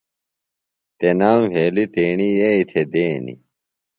تنام وہیلیۡ تیݨیۡ یئیئۡی تھےۡ دینیۡ۔